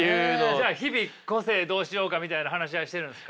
じゃあ日々個性どうしようかみたいな話し合いしてるんですか？